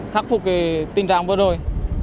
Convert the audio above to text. khắc phục cái tình trạng vừa rồi